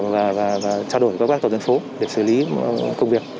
và trao đổi với các tổ dân phố để xử lý công việc